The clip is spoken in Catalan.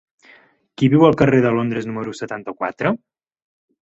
Qui viu al carrer de Londres número setanta-quatre?